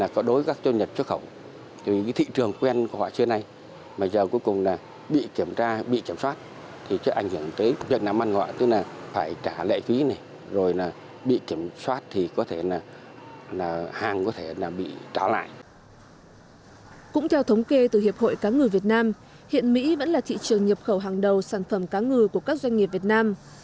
cũng theo thống kê từ hiệp hội cá ngừ việt nam hiện mỹ vẫn là thị trường nhập khẩu hàng đầu sản phẩm cá ngừ của các doanh nghiệp việt nam